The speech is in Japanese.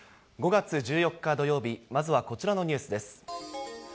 ５月１４日土曜日、まずはこちらのニュースです。